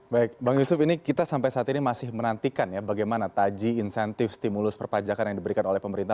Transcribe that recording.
baik bang yusuf ini kita sampai saat ini masih menantikan ya bagaimana taji insentif stimulus perpajakan yang diberikan oleh pemerintah